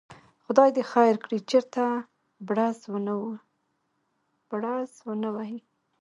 خدای دې خیر کړي، چېرته بړز ونه وهي.